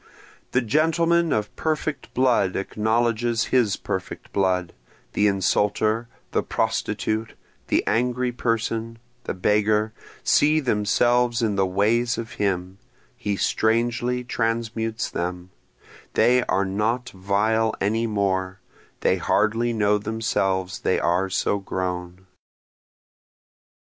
The gentleman of perfect blood acknowledges his perfect blood, The insulter, the prostitute, the angry person, the beggar, see themselves in the ways of him, he strangely transmutes them, They are not vile any more, they hardly know themselves they are so grown.